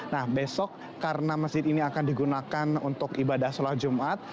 nah besok karena masjid ini akan digunakan untuk ibadah sholat jumat